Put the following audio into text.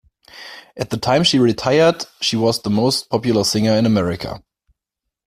At the time she retired, she was the most popular singer in America.